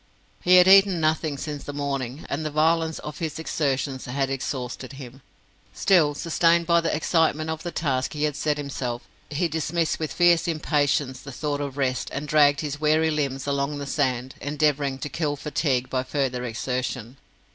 He had eaten nothing since the morning, and the violence of his exertions had exhausted him. Still, sustained by the excitement of the task he had set himself, he dismissed with fierce impatience the thought of rest, and dragged his weary limbs along the sand, endeavouring to kill fatigue by further exertion.